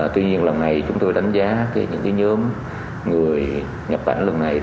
tuy nhiên lần này chúng tôi đánh giá những nhóm người nhập cảnh lần này